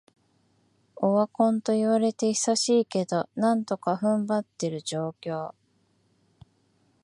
オワコンと言われて久しいけど、なんとか踏ん張ってる状況